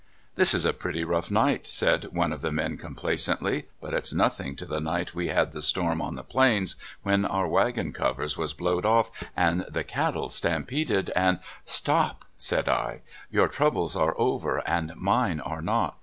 " This is a pretty rough night," said one of the men complacently; "but it's nothing to the night we had the storm on the plains, when our wagon covers was blowed off, and the cattle stampeded, and"— " Stop! " said I, your troubles are over, and mine are not.